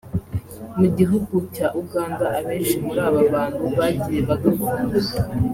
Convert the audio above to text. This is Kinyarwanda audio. mu gihugu cya Uganda abenshi muri aba bantu bagiye bagafungwa